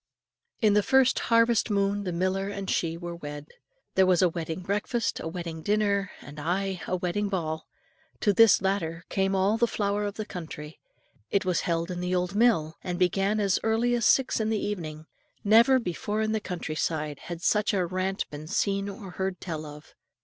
In the first harvest moon the miller and she were married. There was a wedding breakfast, a wedding dinner, ay, and a wedding ball. To this latter came all the flower of the country; it was held in the old mill, and began as early as six in the evening. Never before in the country side had such a rant been seen or heard tell of.